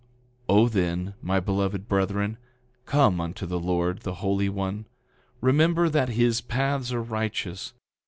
9:41 O then, my beloved brethren, come unto the Lord, the Holy One. Remember that his paths are righteous.